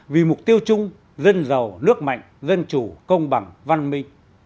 vì mục tiêu chung dân giàu nước mạnh dân chủ công bằng văn minh